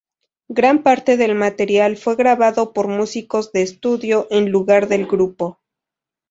Gran parte del material fue grabado por músicos de estudio, en lugar del grupo.